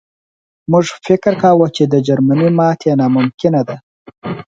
موږ فکر کاوه چې د جرمني ماتې ناممکنه ده